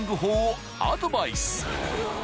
［アドバイス］